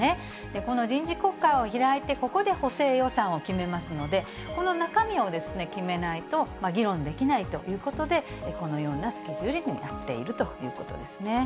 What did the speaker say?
この臨時国会を開いて、ここで補正予算を決めますので、この中身を決めないと、議論できないということで、このようなスケジュールになっているということですね。